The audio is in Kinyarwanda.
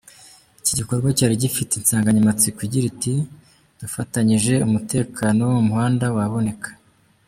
Iki gikorwa cyari gifite insanganyamatsiko igira iti t”Dufatanyije umutekano wo mu muhanda waboneka.